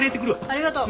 ありがとう。